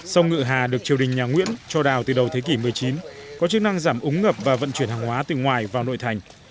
sông ngựa hà được triều đình nhà nguyễn cho đào từ đầu thế kỷ một mươi chín có chức năng giảm úng ngập và vận chuyển hàng hóa từ ngoài vào nội thành